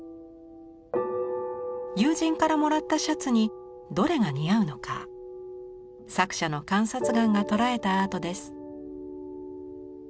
友人からもらったシャツにどれが似合うのか作者の観察眼がとらえたアートです。